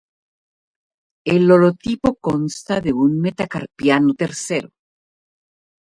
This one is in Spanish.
El holotipo consta de un metacarpiano tercero.